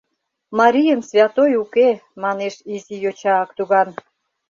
— Марийын святой уке, — манеш изи йоча Актуган.